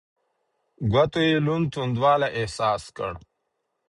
ګوتو يې لوند تودوالی احساس کړ.